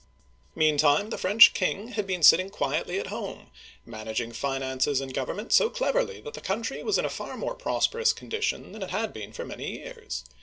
MEANTIME, the French king had been sitting quietly at home, managing finances and government so cleverly that the country was in a far more prosperous condition than it had been for many years.